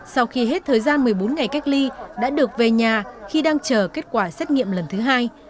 sau khi hết thời gian một mươi bốn ngày cách ly đã được về nhà khi đang chờ kết quả xét nghiệm lần thứ hai